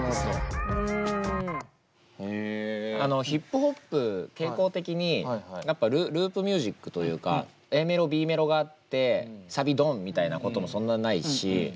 ヒップホップ傾向的にやっぱループミュージックというかＡメロＢメロがあってサビどん！みたいなこともそんなにないし。